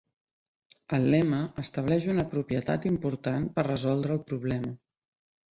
El lema estableix una propietat important per resoldre el problema.